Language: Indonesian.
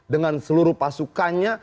dengan seluruh pasukannya